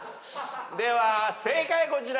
では正解こちら。